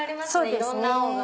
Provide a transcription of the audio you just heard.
いろんな青が。